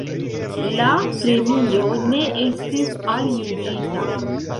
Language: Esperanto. La premio ne estis aljuĝita.